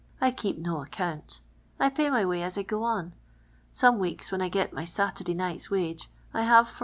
I ke» p no account ; I pay my wj'.y as I go on. S»:mo weeks wht n I get my Saturday night's wage, I hiive from *2.